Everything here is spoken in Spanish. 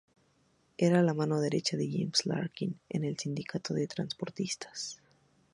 Era la mano derecha de James Larkin en el Sindicato de Transportistas.